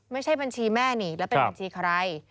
ไม่ใช่บัญชีแม่นี่แล้วเป็นบัญชีใคร